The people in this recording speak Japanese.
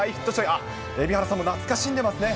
あっ、蛯原さんも懐かしんでますね。